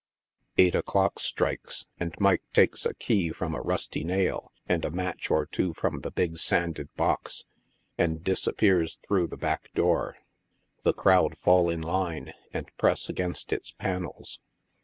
Eight o'clock strikes, and Mike takes a key trom a rusty nail and a match or two from the big sanded box, and disappears through the back door. The crowd fall in line, and press against its panels.